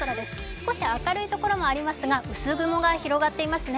少し明るいところもありますが薄雲が広がっていますね。